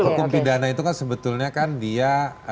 hukum pidana itu kan sebetulnya kan dia